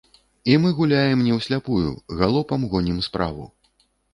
І мы гуляем не ў сляпую, галопам гонім справу.